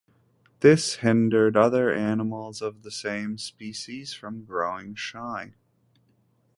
This hindered other animals of the same species from growing shy.